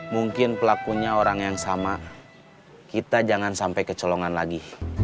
mungkin pelakunya orang yang sama kita jangan sampai kecolongan lagi